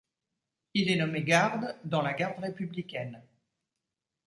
Il est nommé garde dans la Garde républicaine.